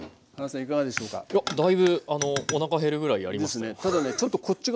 いやだいぶおなか減るぐらいやりましたハハ。ですね。